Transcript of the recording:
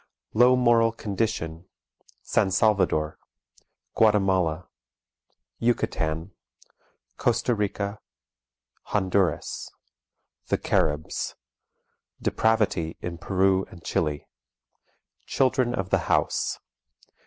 Low moral Condition. San Salvador. Guatemala. Yucatan. Costa Rica. Honduras. The Caribs. Depravity in Peru and Chili. "Children of the House."